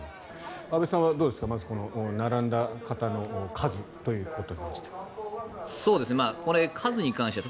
安部さんはどうですかまず、この並んだ方の数ということに関しては。